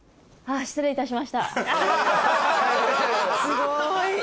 すごい！